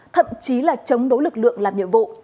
thậm chí là chống đối lực lượng làm nhiệm vụ